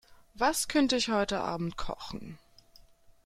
Was könnte ich heute Abend kochen?